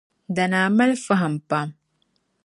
Danaa mali fahim pam